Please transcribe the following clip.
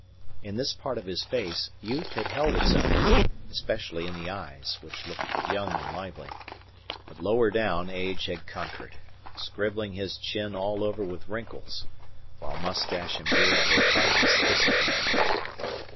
In this part of his face youth had held its own, especially in the eyes, which looked young and lively. But lower down age had conquered, scribbling his skin all over with wrinkles, while moustache and beard were white as thistledown.